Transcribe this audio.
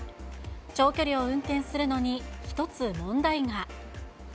長距離を運転するのに、一つ問題が。